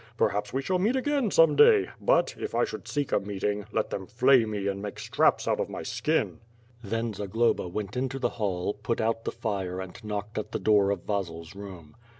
Per haps we shall meet again some day, but, if I should seek a meeting, let thom flay me and make strajw out of my skin." Then Zagloba went into the hall, put out the fire and knocked at the door of Vasil's room.